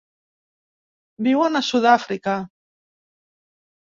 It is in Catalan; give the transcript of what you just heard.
Viuen a Sud-àfrica.